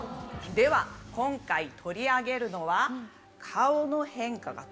では今回取り上げるのは。